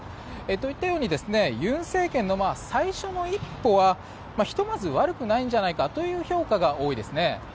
といったように尹政権の最初の一歩はひとまず悪くないんじゃないかという評価が多いですね。